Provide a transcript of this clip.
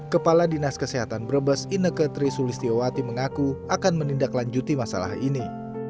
kepala dinas kesehatan brebes ineke tri sulistiowati mengaku akan menindaklanjuti masalah ini